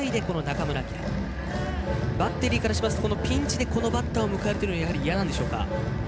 バッテリーからしますとピンチを迎えてこのバッターを迎えるというのは嫌なんでしょうか。